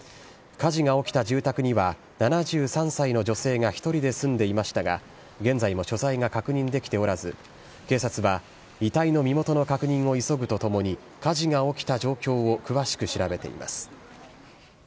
火事が起きた住宅には７３歳の女性が１人で住んでいましたが、現在も所在が確認できておらず、警察は遺体の身元の確認を急ぐとともに、火事が起きた状況を詳しく調べています。